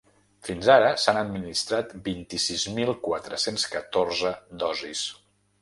Fins ara s’han administrat vint-i-sis mil quatre-cents catorze dosis.